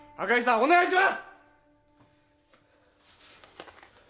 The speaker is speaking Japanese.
お願いします！